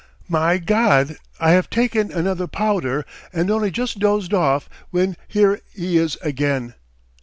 "My God! I have taken another powder and only just dozed off when here he is again.